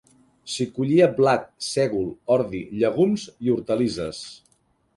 S'hi collia blat, sègol, ordi, llegums i hortalisses.